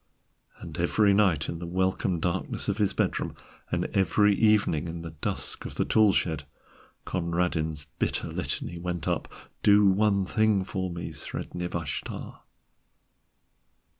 And every night, in the welcome darkness of his bedroom, and every evening in the dusk of the tool shed, Conradin's bitter litany went up: "Do one thing for me, Sredni Vashtar."